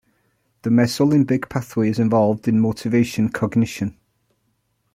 The mesolimbic pathway is involved in motivation cognition.